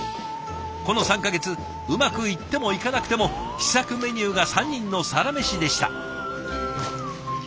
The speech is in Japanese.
この３か月うまくいってもいかなくても試作メニューが３人のサラメシでした。